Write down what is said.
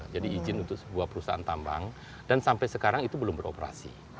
jadi izin untuk sebuah perusahaan tambang dan sampai sekarang itu belum beroperasi